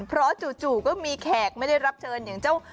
เพราะจู่ก็มีแขกไม่ได้รับเชิญอย่างเจ้า